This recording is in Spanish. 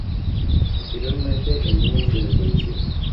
Posteriormente, el niño se desvaneció.